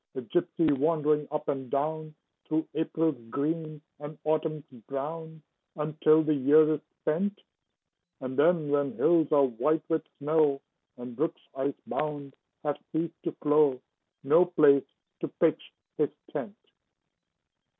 A gypsy wandering up and down Through April's green and Autumn's brown, Until the year is spent; And then, when hills are white with snow, And brooks, ice bound, have ceased to flow, No place to pitch his tent.